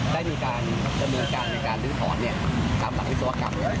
ได้มีการจำนวนการลื้อหอดกลับมาวิศวกรรม